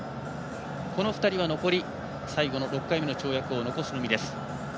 この２人は残り最後の６回目の跳躍を残すのみです。